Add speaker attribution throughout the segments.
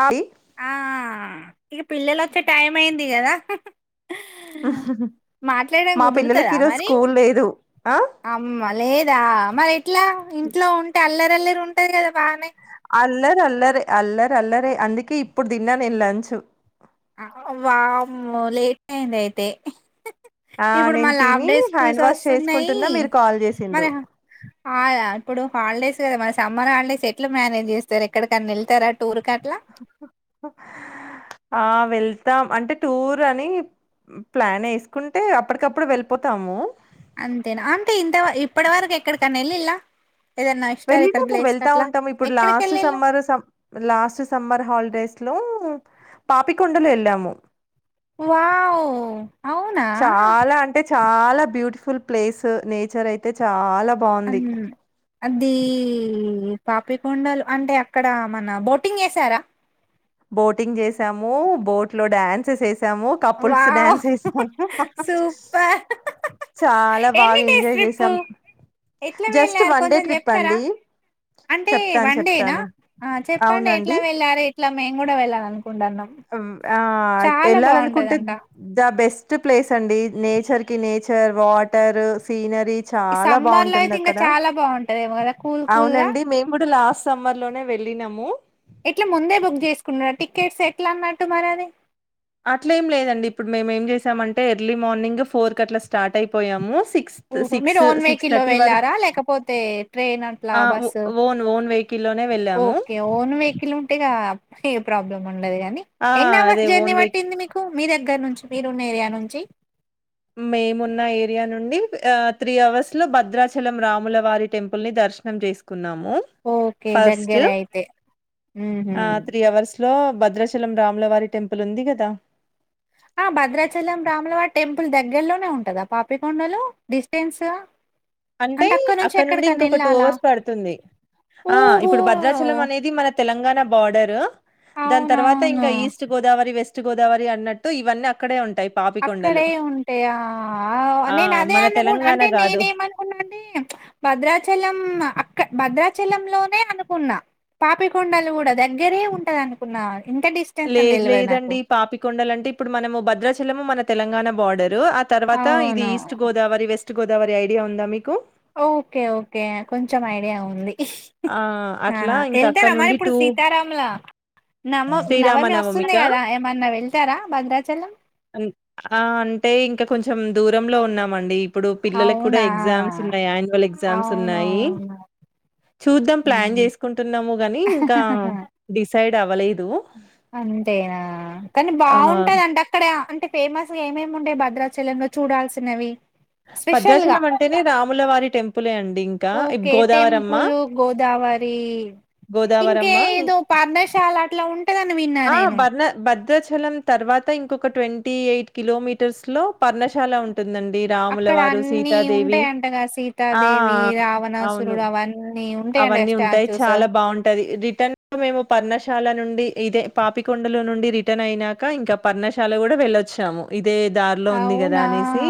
Speaker 1: ఆ దీ
Speaker 2: ఆ ఇగ పిల్లలొచ్చే టైం అయింది గదా హు హు
Speaker 1: అహ్ హ హ్
Speaker 2: మాట్లాడడం కుదురుతదా మరీ
Speaker 1: ఆ
Speaker 2: అమ్మ లేదా మరెట్లా ఇంట్లో ఉంటే అల్లరల్లరి ఉంటరు గద
Speaker 1: అల్లరల్లరే అల్లరల్లరే అందుకే ఇప్పుడు దిన్నా నేను లంచు
Speaker 2: ఆ వామ్మో లేేట్ అయిందయితే
Speaker 1: ఆ
Speaker 2: ఇప్పుడు
Speaker 1: నేను
Speaker 2: మళ్ళ ఆఫ్
Speaker 1: తిని
Speaker 2: డే
Speaker 1: హ్యాండ్ వాష్
Speaker 2: స్కూల్సొస్తున్నయీ
Speaker 1: చేసుకుంటున్నా మీరు కాల్ చేసిండ్రు
Speaker 2: మరి ఆదా ఇప్పుడు హాలిడేస్ గద మన సమ్మర్ హాలిడేస్ ఎట్ల మ్యానేజ్ చేస్తరు ఎక్కడకన్నెళ్తార టూర్కట్ల
Speaker 1: ఆ వెళ్తాం అంటే టూర్ అనీ ప్లానేసుకుంటే
Speaker 2: అంతేనా అంటే ఇంత ఇప్పటి వరకు ఎక్కడికన్నా వెళ్ళిలా ఏదన్నా హిస్టారికల్
Speaker 1: వెళ్ళిదేము
Speaker 2: ప్లేస్
Speaker 1: వెళ్తా
Speaker 2: అట్లా
Speaker 1: ఉంటాము ఇప్పుడు
Speaker 2: ఎక్కడికి
Speaker 1: లాస్ట్
Speaker 2: వెళ్ళిళ్ళు
Speaker 1: summer last summer holidays Papikondalu ఎలాము
Speaker 2: వావ్ అవునా
Speaker 1: చాలా అంటే చాలా బ్యూటిఫుల్ ప్లేస్ నేచర్ అయితే చాలా బాగుంది
Speaker 2: అన్ అది పాపికొండలు అంటే అక్కడ మన బోటింగ్ చేసారా
Speaker 1: బోటింగ్ చేసాము బోట్ లో డ్యాన్సెస్ వే కప్పుల్స్
Speaker 2: వావ్!
Speaker 1: న్స్తాము
Speaker 2: సూపర్.
Speaker 1: చాలా
Speaker 2: ఎన్ని
Speaker 1: బాగా
Speaker 2: డేస్
Speaker 1: ఎంజాయ్
Speaker 2: ట్రిప్పు?
Speaker 1: చేసాం
Speaker 2: ఎట్లా
Speaker 1: జస్ట్
Speaker 2: వెళ్లారు
Speaker 1: వన్ డే
Speaker 2: కొంచెం
Speaker 1: ట్రిప్
Speaker 2: చెప్తారా?
Speaker 1: అండి
Speaker 2: అంటే
Speaker 1: చెప్తాను
Speaker 2: వన్డేనా
Speaker 1: చెప్తాను
Speaker 2: చెప్పండి ఎట్లా
Speaker 1: అవునండి
Speaker 2: వెళ్లాలే ఎట్లా మేము కూడా వెళ్ళాల
Speaker 1: ఆ వెళ్ళాలనుకుంటే
Speaker 2: బావుంటదంట.
Speaker 1: ద బెస్ట్ ప్లేస్ అండి. నేచర్ నేచర్ వాటర్ సీనరి
Speaker 2: ఈ
Speaker 1: చాలా
Speaker 2: సమ్మర్‌లో అయితే
Speaker 1: బాగుంటుంది
Speaker 2: ఇంకా
Speaker 1: అక్కడ
Speaker 2: చాలా బావుంటదేమో గదా! కూల్ కూల్‌గా.
Speaker 1: అవునండి మేము కూడా లాస్ సమ్మర్ లోనే వెళ్ళినాము.
Speaker 2: ఎట్లా ముందే బుక్ చేసుకున్నార టికెట్స్ ఎట్లా అన్నట్టు మరి అది
Speaker 1: అట్ల ఏం లేదండి ఇప్పుడు మేము ఏం చేసామంటే ఎర్లీ మార్నింగ్ ఫోర్ క అట్లా స్టార్ట్ అయిపోయాము. సిక్స్త్
Speaker 2: ఓహో మీరు
Speaker 1: సిక్స్,
Speaker 2: ఓన్ వెహికల్లో
Speaker 1: వరకు
Speaker 2: వెళ్ళారా లేకపోతే ట్రైన్ అట్లా
Speaker 1: ఆ! ఓ
Speaker 2: బస్సు
Speaker 1: ఓన్ ఓన్ వెహికల్‌లోనే వెళ్ళాము.
Speaker 2: ఓకే ఓను వెహికల్ ఉంటే ఇగ ప్రాబ్లమ్ ఉండదు కాని
Speaker 1: ఆ!
Speaker 2: ఎన్ని
Speaker 1: అదే
Speaker 2: అవర్స్ జర్నీ
Speaker 1: ఓన్ వెహికి
Speaker 2: పట్టింది. మీకు మీ దగ్గర నుంచి మీరున్న ఏరియా నుంచి
Speaker 1: మేమున్న ఏరియా నుండి త్రీ అవర్స్ లో భద్రాచలం రాముల వారి టెంపుల్ ని దర్శనం చేసుకున్నాము
Speaker 2: ఓకే
Speaker 1: ఫస్ట్
Speaker 2: దగ్గరే అయితే ఉహు
Speaker 1: ఆ త్రీ అవర్స్ లో భద్రాచలం రాములవారి టెంపుల్ ఉంది కదా.
Speaker 2: ఆ భద్రాచలం రాముల వారి టెంపుల్ దగ్గరలోనే ఉంటదా పాపికొండలు డిస్టెన్స్గా
Speaker 1: అంటే అక్కడ నుండి ఇంకొక టూ అవర్స్ పడుతుంది. ఆ
Speaker 2: ఓహో
Speaker 1: ఇప్పుడు భద్రాచలం అనేది మన తెలంగాణ బార్డర్ దాని తర్వాత ఇంకా
Speaker 2: అవునవును
Speaker 1: ఈస్ట్ గోదావరి వెస్ట్ గోదావరి అన్నట్టు ఇవన్నీ అక్కడే ఉం
Speaker 2: అక్కడే ఉంటాయా
Speaker 1: ఆ
Speaker 2: నేను అదే
Speaker 1: మన
Speaker 2: అను
Speaker 1: తెలంగాణ
Speaker 2: అంటే
Speaker 1: కాదు
Speaker 2: నేనే ఏమనుకున్నాండి. భద్రాచలం అక్కడ భద్రాచలం లోనే అనుకున్నా పాపికొండలు కూడా దగ్గరే ఉంటది అనుకున్న.
Speaker 1: లేదు లేదండి పాపికొండల అంటే ఇప్పుడు మనము భద్రాచలము మన తెలంగాణ బార్డర్. ఆ తర్వాత ఇది
Speaker 2: అవును
Speaker 1: east Godavari west Godavari idea ఉందా మీకు
Speaker 2: ఓకే ఓకే కొంచెం ఐడియా ఉంది.
Speaker 1: ఆ అట్లా
Speaker 2: ఆహా
Speaker 1: ఇంకా
Speaker 2: వెళ్తార
Speaker 1: అక్కడ
Speaker 2: మరి
Speaker 1: నుండి
Speaker 2: ఇప్పుడు
Speaker 1: టూ
Speaker 2: సీతారాములా నమో నవమి వస్తుంది
Speaker 1: శ్రీరామనవమిక
Speaker 2: కదా ఏమన్నా వెళ్తారా భద్రాచలం.
Speaker 1: అంటే ఇంకా కొంచెం దూరంలో ఉన్నామండి. ఇప్పుడు పిల్లలకు కూడా
Speaker 2: అవునా
Speaker 1: ఎగ్జామ్స్ ఉన్నాయి యాన్యువల్ ఎగ్జామ్స్ ఉన్నాయి.
Speaker 2: అవునవును
Speaker 1: చూద్దాం ప్లాన్
Speaker 2: ఉమ్.
Speaker 1: చేసుకుంటున్నాము గాని ఇంకా డిసైడ్ అవ్వలేదు.
Speaker 2: అంతేనా కానీ
Speaker 1: ఆ
Speaker 2: బాగుంటాందంటడి అక్కడ ఫేమస్ గా ఏమేమి ఉండే భద్రాచలంలో చూడాల్సినవి. స్పెషల్ గా
Speaker 1: భద్రాచలం అంటేనే రాములవారి టెంపులే అండి ఇంకా గోదావరమ్మా.
Speaker 2: మరి ఇంకే
Speaker 1: ఇం
Speaker 2: ఏదో పర్ణశాల అట్లా ఉంటదని విన్నా
Speaker 1: ఆ
Speaker 2: నేను
Speaker 1: పర్ణ భద్రాచలం తర్వాత ఇంకొక ట్వంటీ ఎయిట్ కిలోమీటర్స్ లో పర్ణశాల ఉంటుందండి రాముల
Speaker 2: అక్కడ
Speaker 1: వారు
Speaker 2: అన్ని
Speaker 1: సీతాదేవి
Speaker 2: ఉంటాయంట
Speaker 1: ఆ అవును
Speaker 2: ఇప్పుడు అవన్నీ ఉంటాయంట
Speaker 1: అవన్నీ ఉంటాయి
Speaker 2: స్టాచ్యూస్
Speaker 1: చాలా బాగుంటది రిటర్న్ లో మేము పర్ణశాల నుండి ఇదే పాపికొండలో నుండి రిటర్న్ అయినాక ఇంకా పర్ణశాల కూడా వెళ్ళొచ్చాము. అదే దారిలో ఉంది కదా
Speaker 2: అవునా
Speaker 1: అనేసి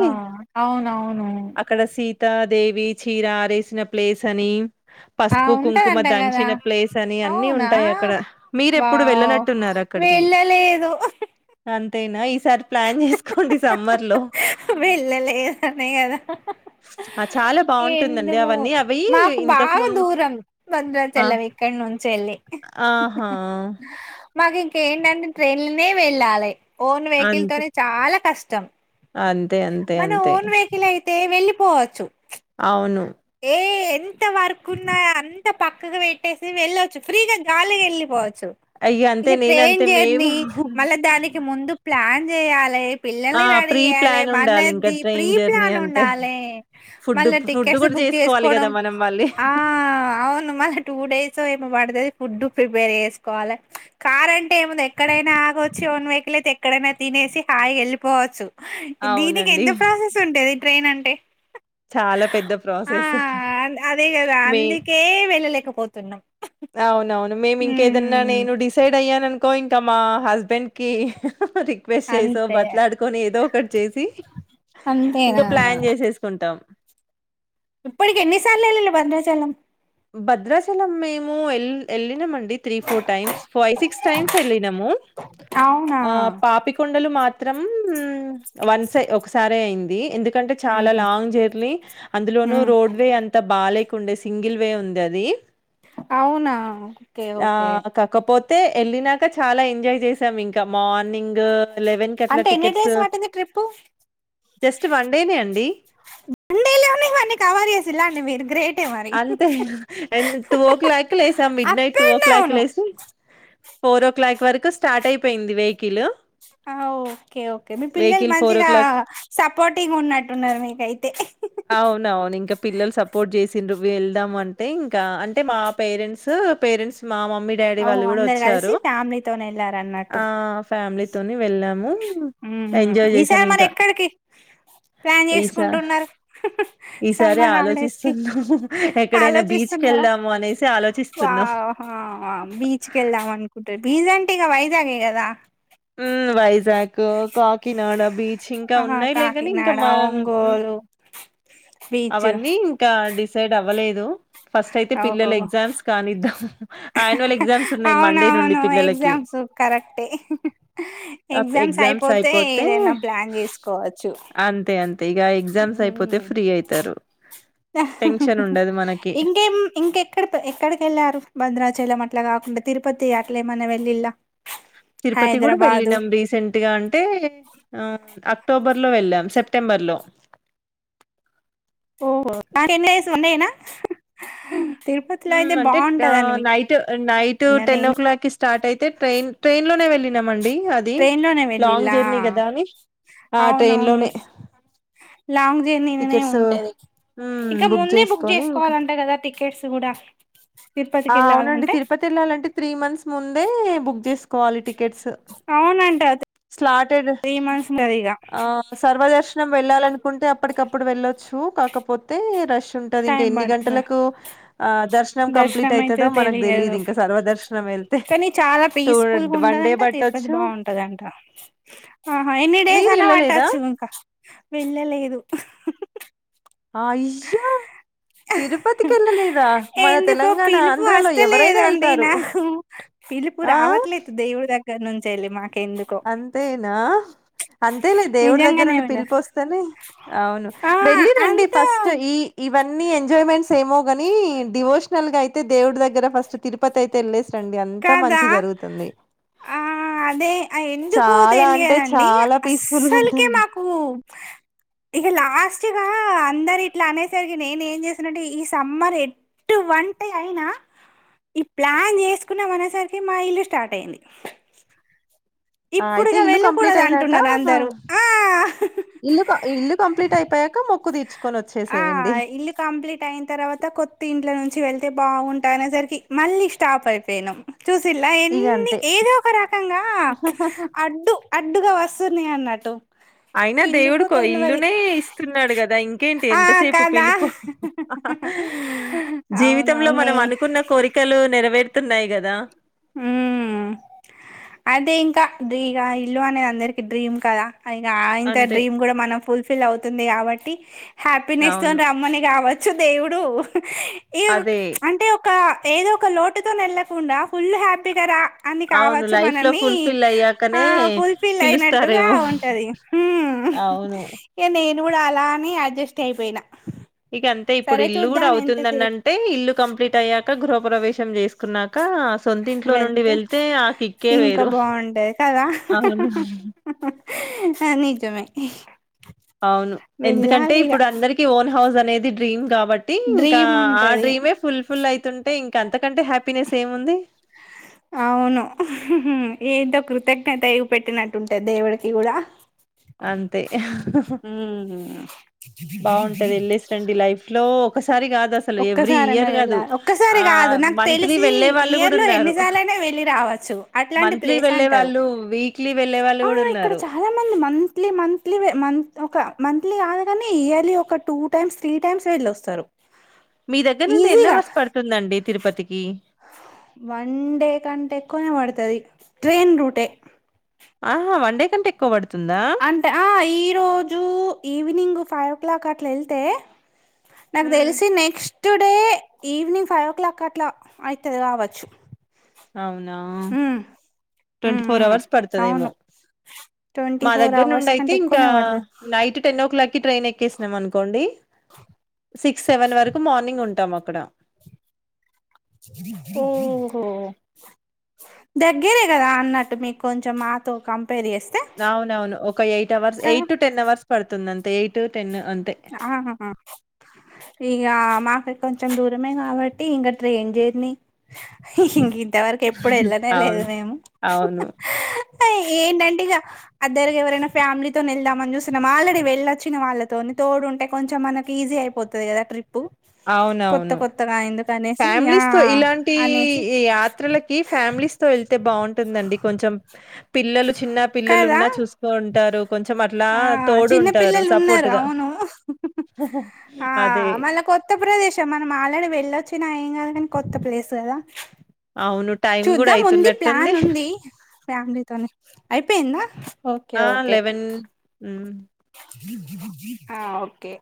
Speaker 2: అవునవును
Speaker 1: అక్కడ సీ త్త దేవి చీర ఆరేసిన ప్లేస్ అని,
Speaker 2: ఆ
Speaker 1: పసుపు కుంకుమ
Speaker 2: ఉంటదంట కదా
Speaker 1: దంచిన ప్లేసని అన్ని
Speaker 2: అవునా
Speaker 1: ఉంటాయ్ అక్కడ మీరే ఎప్పుడు వెళ్ళనట్టున్నారు. అక్కడికి
Speaker 2: వెళ్ళ లేదు.
Speaker 1: అంతేనా ఈసారి ప్లాన్ చేసుకోండి సమ్మర్. లో
Speaker 2: వేళ్ళలేదనే గదా.
Speaker 1: ఆ చాలా బాగుంటుందండి
Speaker 2: ఎందుమొ
Speaker 1: అవన్నీ అవి
Speaker 2: మాకు
Speaker 1: ఇంతకు
Speaker 2: బాగా
Speaker 1: ముందు
Speaker 2: దూరం
Speaker 1: ఆ
Speaker 2: భద్రాచలం ఇక్క నుంచి ఎళ్ళి
Speaker 1: ఆహా
Speaker 2: మాకి ఇంకేంటంటే ట్రైన్లోనే వెళ్ళాలే ఓన్ వెహికల్
Speaker 1: అంతే
Speaker 2: తోని చాలా కష్టం.
Speaker 1: అంతే అంతే
Speaker 2: మన
Speaker 1: అంతే
Speaker 2: ఓన్ వెయికిల్ అయితే వెళ్ళిపోవచ్చు.
Speaker 1: అవును
Speaker 2: తే ఎంత వర్కున్నా అంతా పక్కకి పెట్టేసి వెళ్ళొచ్చు ఫ్రీగా జాలీగా వెళ్ళిపో చ్చు
Speaker 1: అయ్య అంతే
Speaker 2: ఇగ ట్రైన్
Speaker 1: నేనంతే మేము
Speaker 2: జెర్నీ మళ్ళ దానికి ముందు ప్లాన్ జేయాలె
Speaker 1: ఆ
Speaker 2: పిల్లల్ని రెడీ
Speaker 1: ప్రీ
Speaker 2: జెయ్యాలె
Speaker 1: ప్లాన్ ఉండాలి ఇంకా
Speaker 2: మనది ప్రీ
Speaker 1: ట్రైన్ జర్నీ
Speaker 2: ప్లాన్
Speaker 1: అంటే
Speaker 2: ఉండాలె
Speaker 1: ఫుడ్
Speaker 2: మళ్ళ
Speaker 1: ఫుడ్
Speaker 2: టికెట్స్
Speaker 1: కూడా
Speaker 2: బుక్ చే స్
Speaker 1: చేసుకోవాలి
Speaker 2: కోడం
Speaker 1: కదా మనం మళ్ళీ
Speaker 2: ఆ అవును మళ్ళా టూ డేసో ఏమో ప పడతది ఫుడ్డు ప్రిపేర్ చేసుకోవాలె కార్ అంటే ఏంది ఎక్కడైనా ఆగొచ్చు ఓన్ వెయికిల్ అయితే ఎక్కడై నా తినేసి హాయిగా వెళ్ళిపోవచ్చు దీనికి
Speaker 1: అవునండి
Speaker 2: ఎంత ప్రాసెస్ ఉంటది ట్రైన్ అంటే
Speaker 1: చాలా పెద్ద
Speaker 2: ఆ
Speaker 1: ప్రాసెస్
Speaker 2: అదే గదా
Speaker 1: మీ
Speaker 2: అందుకే వెళ్ళలేకపోతున్నాం
Speaker 1: అవునవును మేము ఇంకేదన్నా
Speaker 2: హ్మ్.
Speaker 1: నేను డిసైడ్ అయ్యాను అనుకో ఇంక మా హస్బెండ్ కి రిక్వెస్ట్ చేసో
Speaker 2: అంతే.
Speaker 1: బట్లాడుకొని ఏదో ఒకటి చేసి ఇంకా
Speaker 2: అంతేనా!
Speaker 1: ప్లాన్ చేసేసుకుంటాం
Speaker 2: ఇప్పటికి ఎన్ని సార్లు ఎళ్ళిళ్ళు భద్రాచలం
Speaker 1: భద్రాచలం మేము ఎల్ ఎళ్ళినామం తీ four time five six times ఎళ్లినము
Speaker 2: అవునా
Speaker 1: ఆ పాపికొండలు మా త్రం వన్సే ఒకసారే అయింది ఎందు కంటే చాల
Speaker 2: ఉహు
Speaker 1: లాంగ్ జర్లీ అందులోను
Speaker 2: ఉమ్
Speaker 1: రోడ్ వే అంత బాలేకుండే సింగిల్ వే ఉంది అది
Speaker 2: అవునా ఓకే ఓకే
Speaker 1: తే ఎళ్ళినాక చాలా ఎంజాయ్ జేసాం ఇంక మా మార్నింగూ లెవెన్ కట్ల
Speaker 2: అంటే ఎన్ని
Speaker 1: టికెట్సు
Speaker 2: డేస్ పట్టింది ట్రిప్పు
Speaker 1: జస్ట్ వన్ డేనే అండి
Speaker 2: వన్ డే లోనే హన్ని కవర్ జేసిల్లా అండి మీరు గ్రేటే మరి
Speaker 1: అండు టూ ఓ క్లాకే లేసామ్ మిడ్ నైట్
Speaker 2: అప్
Speaker 1: టూ ఓ
Speaker 2: అండ్
Speaker 1: క్లాక్కు
Speaker 2: డౌను
Speaker 1: లేసి ఫోర్ ఓ క్లాక్ వరకు స్టార్ట్ అయిపోయింది వెయికిలు
Speaker 2: ఆఓకే ఓకే మీ పిల్లలు మంచిగా సపోర్టింగ్ ఉన్నట్టున్నారు మీకైతే
Speaker 1: అవునవును ఇంక పిల్లలు సపోర్ట్ జేసి వెళ్దాం అంటే ఇంకా అంటే మా పేరెంట్సు పేరెంట్స్ మా మమ్మీ డాడీ
Speaker 2: ఓహో
Speaker 1: వాళ్ళు గూడా
Speaker 2: అందరు కలిసి
Speaker 1: వచ్చారు
Speaker 2: ఫ్యామిలీతోనే వెళ్ళారన్నట్టు
Speaker 1: ఆ ఫ్యామిలీ చేసాం
Speaker 2: ఈసారి మరి
Speaker 1: ఇంకా
Speaker 2: ఎక్కడికి ప్లాన్
Speaker 1: ఈసా
Speaker 2: జేసుకుంటున్నారు
Speaker 1: ఈసారి
Speaker 2: సమ్మర్ హాలిడేస్ కి
Speaker 1: ఆలోచిస్తున్నాం ఎక్కడైనా బీచ్కి
Speaker 2: ఆలోచిస్తున్నారా
Speaker 1: వెళ్దాము అనేసి ఆలోచిస్తున్నాం
Speaker 2: వొహా బీచ్ కి ఎళ్దాం అనుకుంటు బీజంటే ఇగ వైజాగే గదా
Speaker 1: ఉ వైజాకు కాకినాడ బీచ్ ఇంకా
Speaker 2: ఆహా
Speaker 1: ఉన్నాయి లే గని ఇంక
Speaker 2: కాకినాడ
Speaker 1: మ
Speaker 2: ఒంగోలు బీచ్
Speaker 1: అవన్నీ ఇంక డిసైడ్ అవ్వలేదు ఫస్ట్ అయితే
Speaker 2: ఓహో
Speaker 1: పిల్లల ఎగ్జామ్స్ కానిద్దాం యాన్యువల్ ఎగ్జామ్స్ ఉన్నాయ్ మండే నుండి పిల్లలకి
Speaker 2: సూ కరెక్టే ఎగ్జామ్స్ అయిపోతే ఏదైనా ప్లాన్ జేసుకోవచ్చు
Speaker 1: అంతే అంతే ఇక ఎగ్జామ్స్ అయిపోతే ఫ్రీ అయితారు టెన్షన్ ఉండదు మనకి
Speaker 2: ఇంకేం ఇంకెక్కడ ఎక్కడికెళ్ళారు భద్రాచలం అట్లా గాకుండా తిరుపతి అట్లే మన్న వెళ్ళిల్లా
Speaker 1: తిరుపతి కూడా వెళ్ళినాం రీసెంట్ గా అంటే ఆ అక్టోబర్ లో వెళ్ళాం సెప్టెంబర్ లో
Speaker 2: ఓహో మార్నింగ్ లేదు వండేయనా
Speaker 1: అంటే నైట్ నైట్
Speaker 2: విన్న
Speaker 1: టెన్
Speaker 2: నేను
Speaker 1: ఓ క్లాక్కిి స్టార్ట్ అయితే ట్రైన్ ట్రైన్ లోనే వెళ్ళి
Speaker 2: ట్రైన్నే వెళ్ళలా
Speaker 1: కదా అని ఆ ట్రైన్
Speaker 2: అవునవును
Speaker 1: లోనే
Speaker 2: లాంగ్ జర్నీనే
Speaker 1: టికెట్స్
Speaker 2: ఉంటది
Speaker 1: హ్మ్
Speaker 2: ఇంకా ముందే బుక్
Speaker 1: చేసుకొని ఇంకా
Speaker 2: చేసుకోవాలంటే కదా టికెట్స్ కూడా
Speaker 1: ఆ
Speaker 2: తిరుపతికి
Speaker 1: అవునండి
Speaker 2: వెళ్ళాలంటే
Speaker 1: తిరుపతి వెళ్ళాలంటే త్రీ మంత్స్ ముందే బుక్ చేసుకు వాలి టికెట్స్
Speaker 2: అవునంట
Speaker 1: స్లాటెడ్
Speaker 2: త్రీ మంత్స్ ఉంటది ఇక
Speaker 1: ఆ సర్వదర్శనం వెళ్ళాలని కుంటే అప్పటికప్పుడు వెళ్ళొచ్చు కాకపోతే రష్ ఉంటది ఇంకా
Speaker 2: టైం
Speaker 1: ఎన్ని
Speaker 2: పడుతది
Speaker 1: గంటలకు దర్శ కంప్లీట్
Speaker 2: దర్శనం
Speaker 1: అవుతదొ
Speaker 2: అయితదో
Speaker 1: మనకు తెలీదు
Speaker 2: తెలియదు
Speaker 1: ఇంకా సర్వదర్శనం వెళ్తే టూ వన్ డే బట్
Speaker 2: అది బాగుంటదా ఆహా ఎన్ని డేస్
Speaker 1: మీరు
Speaker 2: ఐనా
Speaker 1: వెళ్ళలేదా
Speaker 2: పట్టచ్చు ఇంకా వెళ్ళలేదు
Speaker 1: ఆయిష్యు తిరుపతికి వెళ్ళలేదా మన
Speaker 2: ఎందుకో
Speaker 1: తెలంగాణ
Speaker 2: పిలుపు
Speaker 1: ఆంధ్రాలో ఎవరైనా
Speaker 2: వస్తలేదండి
Speaker 1: వెళ్తారు
Speaker 2: నాకు పిలుపు
Speaker 1: ఆ
Speaker 2: రావట్లేదు దేవుడి దగ్గర నుంచి వెళ్ళి మా
Speaker 1: అంతేనా అంతే లే దేవుడి దగ్గర
Speaker 2: నిజంగానే
Speaker 1: నుండి
Speaker 2: వెళ్ళ
Speaker 1: పిలిపోస్తేనే అవును
Speaker 2: ఆ
Speaker 1: వెళ్ళిరండి
Speaker 2: అంత
Speaker 1: ఫస్ట్ ఈ ఇవన్నీ ఎంజాయ్మెంట్ స్ ఏమో ని డివోషనల్ గా అయితే దేవుడి దగ్గర ఫస్ట్ తిరుపతి అయితే వెళ్లేే
Speaker 2: కాదా ఆ అదే ఆ‌ ఎందుకో
Speaker 1: చాలా అంటే
Speaker 2: తెలియదండి
Speaker 1: చాలా పీస్ఫుల్ గా
Speaker 2: అస్సలుకే
Speaker 1: ఉంటుంది
Speaker 2: మాకు ఇక లాస్ట్ గా
Speaker 1: [inaudible]
Speaker 2: అందరు ఇట్లా అనేసరికి నేను ఏం చేసినంటే ఈ సమ్మర్ ఎటువంటిఅయినా ఈ ప్లాన్ చేసుకున్నాం అనేసరికి మా ఇల్లు స్టార్ట్ అయ్యంది
Speaker 1: ఆ అయితే ఇల్లు కంప్లీట్ అయినాక
Speaker 2: అందరూ ఆ
Speaker 1: ఇల్లు ఇల్లు కంప్లీట్ అయిపోయా క మొక్కు తీర్చు
Speaker 2: ఆ ఇల్లు కంప్లీట్ అయిన తర్వాత కొత్త ఇంట్ల నుంచి వెళ్ తే బాగుంటా అనేసరికి మళ్ళీ స్టాప్ అయిపోయినం చూసిల్లా
Speaker 1: ఇగ
Speaker 2: ఎన్ని
Speaker 1: అంతే
Speaker 2: ఏదో ఒక రకంగా అడ్డు అడ్డుగా వస్త స్తుని అన్నటు
Speaker 1: అయినా దేవుడుకో ఇల్లునే ఇస్తున్నాడు కదా ఇంకా ఇంకెంటి
Speaker 2: ఆ
Speaker 1: ఎంతసేపు
Speaker 2: కదా
Speaker 1: పిలుపు జీవితంలో
Speaker 2: అవునవునే
Speaker 1: మన అనుకున్న కొరికలు వేడుతున్నాయి కదా
Speaker 2: ఉమ్ అదే ఇంకా ఇగ ఇల్లు అనేది అందరికి డ్రీమ్ కదా అయిన ఇంత
Speaker 1: అంతే.
Speaker 2: డ్రీమ్ కూడా మనం ఫుల్ఫిల్ అవుతుంది కాబట్టి హ్యాపీనెస్
Speaker 1: అవును.
Speaker 2: తోని రమ్మని కావచ్చు చ్చు దేవుడు ఈ
Speaker 1: అదే.
Speaker 2: అంటే ఒక ఏదో ఒక లోటుతో ని వెళ్ళకుండా ఫుల్ హ్యాపీగా రా అని
Speaker 1: అవును.
Speaker 2: కావచ్చు
Speaker 1: లైఫ్‌లో
Speaker 2: మనని
Speaker 1: ఫుల్‌ఫిల్
Speaker 2: ఆ
Speaker 1: అయ్యాకనే
Speaker 2: ఫుల్ఫిల్ అయినట్టుగా
Speaker 1: పిలుస్తారేమో.
Speaker 2: ఉంటది హ్మ్మ్
Speaker 1: అవును.
Speaker 2: ఇగ నేను కూడా అలానే అడ్జస్ట్ అయిపోయినా
Speaker 1: ఇగ అంతే ఇప్పుడు
Speaker 2: సరే
Speaker 1: ఇల్లు కూడా
Speaker 2: చూద్దాం ఎంతసేపు
Speaker 1: అవుతుందన్న అంటే ఇల్లు కంప్లీట్ అయ్యాక గృహప్రవేశం చేసుకున్నాక ఆ సొంత ఇంట్లో నుండి వెళ్తే కిక్కే
Speaker 2: ఇంకా
Speaker 1: వేరు.
Speaker 2: బాగుంటాది కదా
Speaker 1: అవును.
Speaker 2: నిజమే
Speaker 1: అవును ఎందుకంటే
Speaker 2: వెళ్ళాలి ఇగ
Speaker 1: ఇప్పుడు అందరికి ఓన్ హౌస్ అనేది డ్రీం కాబట్టి ఇంకా
Speaker 2: డ్రీమ్
Speaker 1: ఆ
Speaker 2: ఉంటది
Speaker 1: డ్రీమ్ ఇవే ఫుల్ ఫిల్ అయితుంటే ఇంకంత
Speaker 2: అవును ఏంటో కృతజ్ఞత జూపేట్టినట్టుంటంది దేవుడికి కూడా
Speaker 1: అంతే
Speaker 2: ఉమ్
Speaker 1: బాగుంటది వెళ్ళేసిరండి లైఫ్ లో
Speaker 2: ఒక్కసారనా వెళ్ళాలి ఒక్కసారి కాదు
Speaker 1: ఆహ్,
Speaker 2: నాకు
Speaker 1: మంత్లీ
Speaker 2: తెలిసి
Speaker 1: వెళ్ళేవాళ్ళు
Speaker 2: ఇయర్ లో
Speaker 1: గూడున్నారు.
Speaker 2: ఎన్నిసార్లు అయినా వెళ్ళి రావచ్చు అట్లాంటి
Speaker 1: మంత్లీ
Speaker 2: ప్లేస్ అంటారు
Speaker 1: వెళ్ళేవాళ్ళు, వీక్లీ వెళ్ళేవాళ్ళు
Speaker 2: ఆ ఇక్కడ
Speaker 1: గూడున్నారు.
Speaker 2: చాలా మంది మం త్లీ మంత్లీ మంత ఒక మంత్లీ కాదు కాని ఇయర్లీ ఒక టూ టైమ్స్ త్రీ టైమ్స్ వెళ్ళి వస్తారు
Speaker 1: మీ దగ్గర నుండి ఎన్నవర్స్ పడుతుందండి తిరుపతి
Speaker 2: వన్ డే కంటే ఎక్కువనే పడుతది ట్రైన్ రూటే
Speaker 1: ఆహా వన్ డే కంటే ఎక్కువ బడుతుందా?
Speaker 2: అంటే ఆ ఈ రోజు ఈవినింగ్ ఫైవ్ ఓ క్లాక్ అట్లా వెళ్తే నాకు
Speaker 1: హ్మ్.
Speaker 2: తెలిసి next today evening five o'clock అట్లా ఐతది కావచ్చు
Speaker 1: అవునా
Speaker 2: um
Speaker 1: twenty
Speaker 2: um
Speaker 1: four
Speaker 2: um
Speaker 1: hours పడుతదేమో
Speaker 2: అవును ట్వంటీ
Speaker 1: మా
Speaker 2: ఫోర్
Speaker 1: దగ్గర నుండి
Speaker 2: అవర్స్
Speaker 1: అయితే
Speaker 2: కంటే
Speaker 1: ఇంకా
Speaker 2: ఎక్కువనే పడుతది
Speaker 1: night ten o'clock train ఎక్కేసినం అనుకోండి సిక్స్ సెవెన్ వరకు మార్నింగ్ ఉంటాం అ క్కడ
Speaker 2: ఓహో దగ్గరే కదా అన్నట్టు మీకు కొంచెం మాతో కంపేర్ చేస్తే
Speaker 1: అవునవును ఒక eight hours eight to ten hours పడుతుంది అంత ఎయిట్ టెన్ అంతే
Speaker 2: ఆహ ఇగ మాక్ కొంచెం దూరమే కాబట్టి ఇంకా ట్రైన్ జర్నీ ఇం ఇంతవరకు ఎప్పుడు వెళ్ళనే లేదు
Speaker 1: అవును
Speaker 2: మేము
Speaker 1: అవును
Speaker 2: ఏంటంటే ఇక అ దగ ఎవరైనా ఫ్యామిలీతోని వెళ్దామని చూసినాము ఆల్రెడీ వెళ్ళ వచ్చిన వాళ్ళతోని తోడుంటే కొంచెం మనకి ఈజీ అయిపోతది కదా ట్రిప్పు కొత్త
Speaker 1: అవునవును
Speaker 2: కొత్తగాయందో
Speaker 1: ఫ్యామిలీస్ తో ఇలాంటి యాత్రలకి ఫ్యామిలీస్ తో వెళ్తే బాగుంటుందండి కొంచెం పిల్లలు చిన్న పిల్లలు
Speaker 2: కదా
Speaker 1: ఉన్నా చూసుకోంటారు కొంచెం అట్లా తోడు ఉంటారు సపోర్ట్గా
Speaker 2: మళ్ళ కొత్త ప్రదేశం మనం ఆల్రెడీ వెళ్ళచ్ తిన ఏం గాదు గని కొత్త ప్లేస్ గదా
Speaker 1: అవును టైం కూడా
Speaker 2: చూద్దాం ఉంది ప్లాన్
Speaker 1: అయితున్నట్టుంది
Speaker 2: ఉంది ఫ్యామిలీ తోనే అయిపోయిందా ఓకే
Speaker 1: ఆ
Speaker 2: ఓకే
Speaker 1: లెవెన్ ఊ
Speaker 2: ఆ ఓకే